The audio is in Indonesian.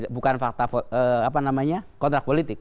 bukan fakta apa namanya kontrak politik